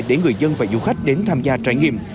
để người dân và du khách đến tham gia trải nghiệm